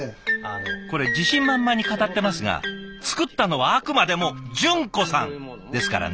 これ自信満々に語ってますが作ったのはあくまでも淳子さんですからね。